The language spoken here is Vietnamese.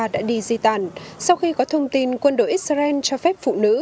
đã đi di tản sau khi có thông tin quân đội israel cho phép phụ nữ